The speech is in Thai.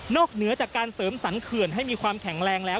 เหนือจากการเสริมสรรเขื่อนให้มีความแข็งแรงแล้ว